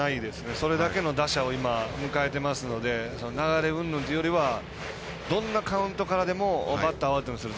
それだけの打者を今迎えていますので流れうんぬんというよりはどんなカウントからでもバッターをアウトにすると。